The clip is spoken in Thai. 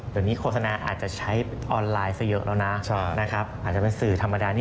เดี๋ยวนี้โฆษณาอาจจะใช้ออนไลน์ซะเยอะแล้วนะนะครับอาจจะเป็นสื่อธรรมดานี่